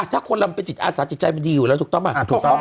ถ้าคนเรามันเป็นจิตอาสาจิตใจมันดีอยู่แล้วถูกต้องป่ะถูกต้อง